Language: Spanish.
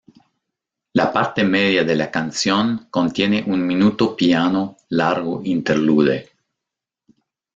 La parte media de la canción contiene un minuto piano largo interlude..